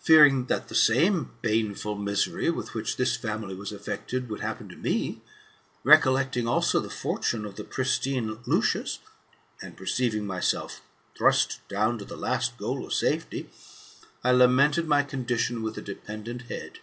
Fearing that the same baneful misery with which this family was affected, would happen to me, recollecting also the fortune of the pristine Lucius, and perceiving myself thrust down to the last goal of safety, I lamented my condition with a dependent head.